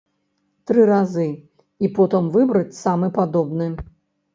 Тры разы і потым выбраць самы падобны.